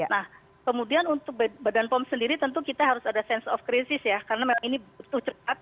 nah kemudian untuk badan pom sendiri tentu kita harus ada sense of crisis ya karena memang ini butuh cepat